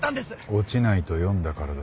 落ちないと読んだからだ。